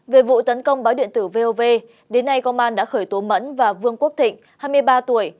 về vụ tấn công báo điện tử vov đến nay công an đã khởi tố mẫn và vương quốc thịnh hai mươi ba tuổi